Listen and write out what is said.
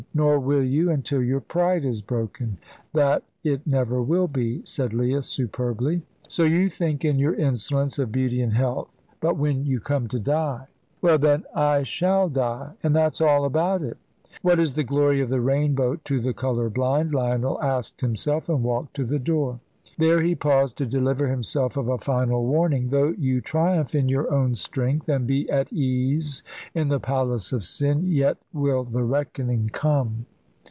"Nor will you, until your pride is broken." "That it never will be," said Leah, superbly. "So you think in your insolence of beauty and health. But when you come to die?" "Well, then, I shall die, and that's all about it." "What is the glory of the rainbow to the colour blind?" Lionel asked himself, and walked to the door. There he paused to deliver himself of a final warning: "Though you triumph in your own strength, and be at ease in the palace of sin, yet will the reckoning come.